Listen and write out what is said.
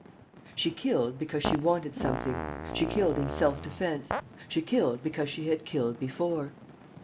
She killed because she wanted something, she killed in self defence, she killed because she had killed before.